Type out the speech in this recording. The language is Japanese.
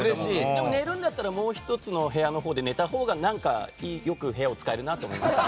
でも、寝るんだったらもう１つの部屋で寝たほうがなんか良く部屋を使えるなと思いました。